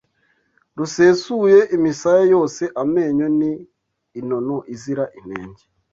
Rusesuye imisaya yose Amenyo ni inono izira inenge